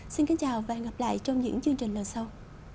xin kính chào và hẹn gặp lại trong những chương trình lần sau